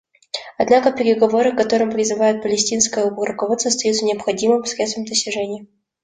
Однако переговоры, к которым призывает палестинское руководство, остаются необходимым средством достижения окончательного урегулирования.